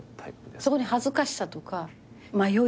そこに恥ずかしさとか迷い。